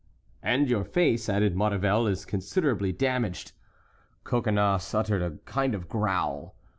"And your face," added Maurevel, "is considerably damaged." Coconnas uttered a kind of growl.